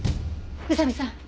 宇佐見さん